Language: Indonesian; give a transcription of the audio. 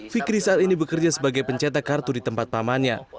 fikri saat ini bekerja sebagai pencetak kartu di tempat pamannya